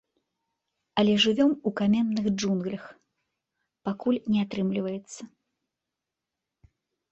Але жывём у каменных джунглях, пакуль не атрымліваецца.